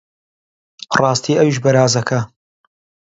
ڕاستی ئەویش بەرازەکە!